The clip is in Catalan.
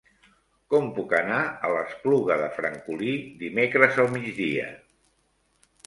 Com puc anar a l'Espluga de Francolí dimecres al migdia?